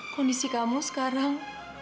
kondisi kamu sekarang